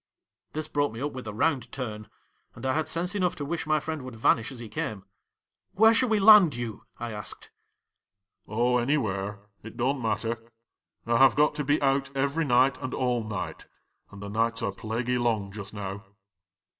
''1 'This brought me up with a round turn, and I had sense enough to wish my friend would vanish as he came. " Where shall we land you 1 " I asked. '" Oh, any where — it don't matter. I have got to be out every night and all night ; and the nights are plaguy long just now."